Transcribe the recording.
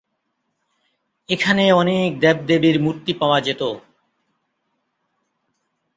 এখানে অনেক দেব-দেবীর মূর্তি পাওয়া যেত।